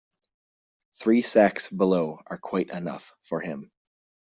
Three sacks below are quite enough for him.